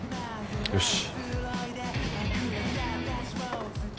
よし。